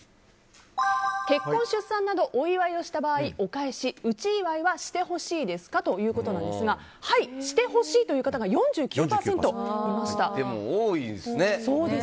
結婚・出産などお祝いをした場合お返し、内祝いはしてほしいですかということなんですがはい、してほしいという方が多いですね。